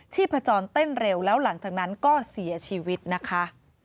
พจรเต้นเร็วแล้วหลังจากนั้นก็เสียชีวิตนะคะ